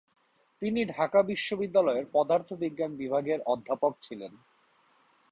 তিনি ঢাকা বিশ্ববিদ্যালয়ের পদার্থবিজ্ঞান বিভাগের অধ্যাপক ছিলেন।